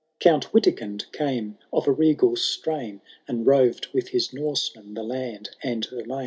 Count Witikind came of a regal strain. And roved with his Nonemen the land and the main.